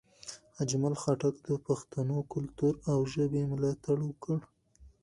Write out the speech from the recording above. اجمل خټک د پښتنو کلتور او ژبې ملاتړ وکړ.